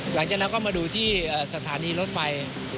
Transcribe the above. หลังจากนั้นก็มาดูที่สถานีรถไฟ